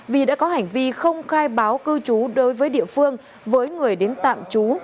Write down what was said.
vì đã có hành vi không khai báo cư trú đối với địa phương với người đến tạm trú